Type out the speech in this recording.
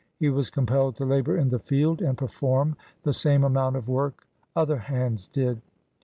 He was compelled to labor in the field, and perform the same amount of work other hands did.